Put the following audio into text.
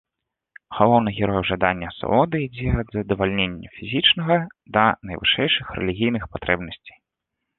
Галоўны герой у жаданні асалоды ідзе ад задавальнення фізічнага да найвышэйшых рэлігійных патрэбнасцей.